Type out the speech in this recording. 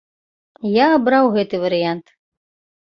Я абраў гэты варыянт.